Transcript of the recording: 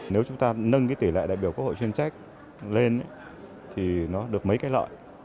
nếu chúng ta nâng cái tỷ lệ đại biểu quốc hội chuyên trách lên thì nó được mấy cái lợi